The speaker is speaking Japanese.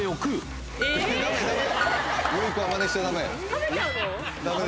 食べちゃうの？